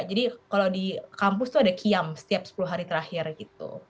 jadi kalau di kampus itu ada kiam setiap sepuluh hari terakhir gitu